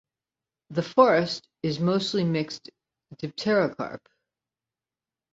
The forest is mostly mixed dipterocarp.